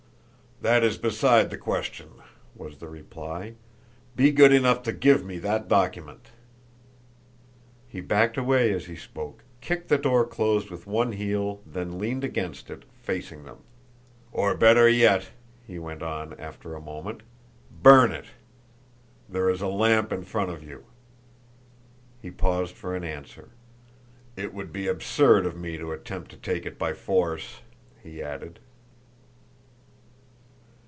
"That is beside the question," was the reply. "Be good enough to give me that document." He backed away as he spoke, kicked the door closed with one heel, then leaned against it, facing them. "Or better yet," he went on after a moment, "burn it. There is a lamp in front of you." He paused for an answer. "It would be absurd of me to attempt to take it by force," he added.